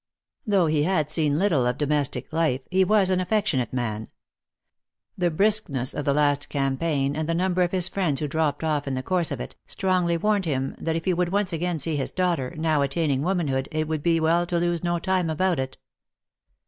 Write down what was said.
Though he had seen little of domestic life, he was an affectionate man. The briskness of the last cam paign, and the number of his friends who dropped off in the course of it, strongly warned him that if he would once again see his daughter, now attaining womanhood, it wonjjl be well to lose no time about it.